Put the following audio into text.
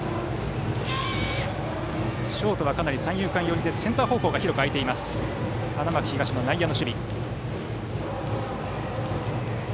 ショートはかなり三遊間寄りでセンター方向が広く空いている花巻東の内野の守備。